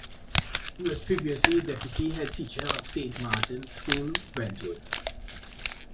He was previously Deputy Headteacher of Saint Martins School, Brentwood.